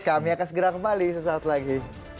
kami akan segera kembali suatu saat lagi